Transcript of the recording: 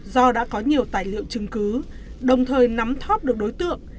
do đã có nhiều tài liệu chứng cứ đồng thời nắm thóp được đối tượng